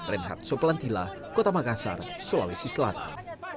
reinhard soplantila kota makassar sulawesi selatan